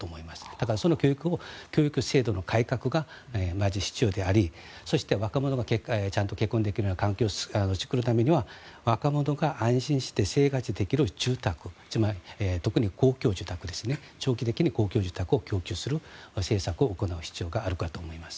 だからその教育制度の改革がまず必要であり若者がちゃんと結婚できるような環境を作るためには若者が安心して生活できる住宅特に公共住宅長期的に公共住宅を供給する政策を行う必要があるかと思います。